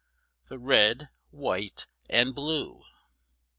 THE RED, WHITE AND BLUE.